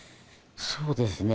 そうですね